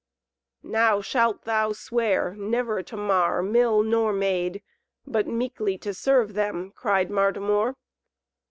"Now shalt thou swear never to mar Mill nor Maid, but meekly to serve them," cried Martimor.